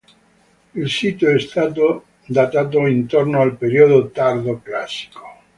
Il sito è stato datato intorno al periodo Tardo Classico.